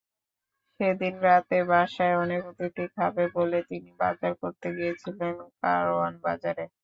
সেদিন রাতে বাসায় অনেক অতিথি খাবে বলে তিনি বাজার করতে গিয়েছিলেন কারওয়ান বাজারে।